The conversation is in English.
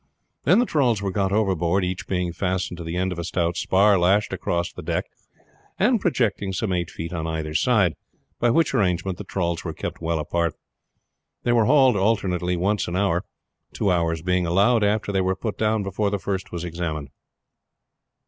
Then the trawls were got overboard, each being fastened to the end of a stout spar lashed across the deck, and projecting some eight feet on either side, by which arrangement the trawls were kept well apart. They were hauled alternately once an hour, two hours being allowed after they were put down before the first was examined.